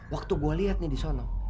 waktu gue liat nih di sono